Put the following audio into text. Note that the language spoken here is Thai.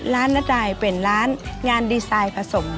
ร้านนาต่ายเป็นร้านงานดีสจายผสม